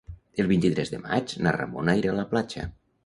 El vint-i-tres de maig na Ramona irà a la platja.